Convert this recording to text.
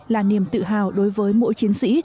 là niềm tự hào đối với mỗi chiến sĩ